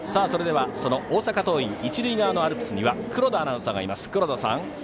その大阪桐蔭一塁側のアルプスには黒田アナウンサーがいます。